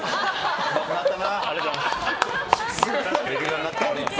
うまくなったな。